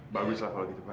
baguslah kalau begitu pak